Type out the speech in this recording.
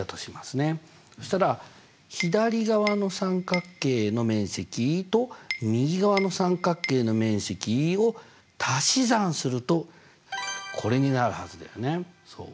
そしたら左側の三角形の面積と右側の三角形の面積を足し算するとこれになるはずだよねそう。